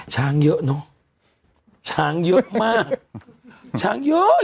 ช้างเยอะเนอะช้างเยอะมากช้างเยอะ